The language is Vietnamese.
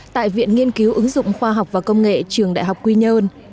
tại viện nghiên cứu ứng dụng khoa học và công nghệ trường đại học quy nhơn